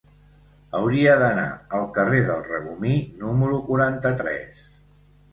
Hauria d'anar al carrer del Regomir número quaranta-tres.